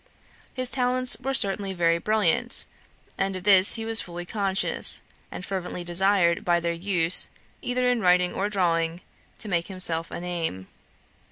His talents were certainly very brilliant, and of this he was fully conscious, and fervently desired, by their use, either in writing or drawing, to make himself a name.